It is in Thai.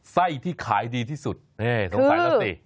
ไส้ที่ขายดีที่สุดนี่สงสัยแล้วสิ